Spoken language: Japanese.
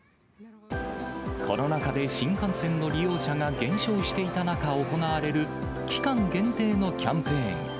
コロナ禍で新幹線の利用者が減少していた中行われる期間限定のキャンペーン。